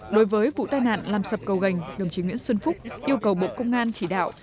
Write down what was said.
đối với vụ tai nạn làm sập cầu gành đồng chí nguyễn xuân phúc yêu cầu bộ công an chỉ đạo